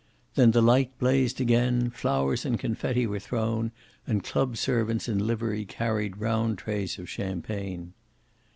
Then the light blazed again, flowers and confetti were thrown, and club servants in livery carried round trays of champagne.